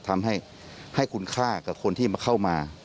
ทำให้คุณค่ากับคนที่มาเข้ามา